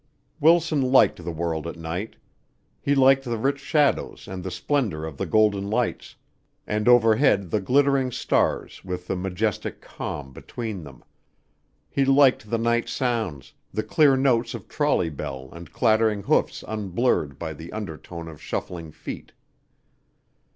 Wilson liked the world at night; he liked the rich shadows and the splendor of the golden lights, and overhead the glittering stars with the majestic calm between them. He liked the night sounds, the clear notes of trolley bell and clattering hoofs unblurred by the undertone of shuffling feet.